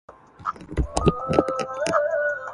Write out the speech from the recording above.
Reagan نے کہا تھا کہ کچھ کہنا نہیں